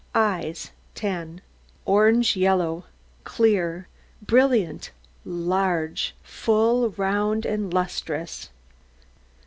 EYES 10 Orange yellow, clear, brilliant, large, full, round, and lustrous.